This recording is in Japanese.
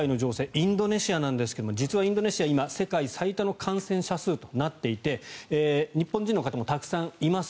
インドネシアなんですが実はインドネシアは世界最多の感染者数となっていて日本人の方もたくさんいます。